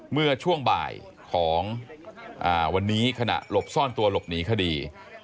เมื่อช่วงบ่ายของวันนี้ขณะหลบซ่อนตัวหลบหนีคดี